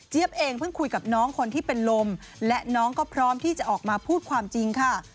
เองเพิ่งคุยกับน้องคนที่เป็นลมและน้องก็พร้อมที่จะออกมาพูดความจริงค่ะ